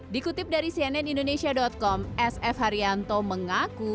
dikutip dari cnn indonesia com s f haryanto mengaku